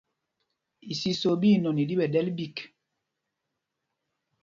Isiso ɓí inɔn i ɗi ɓɛ̌ ɗɛ́l ɓîk.